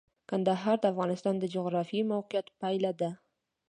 کندهار د افغانستان د جغرافیایي موقیعت پایله ده.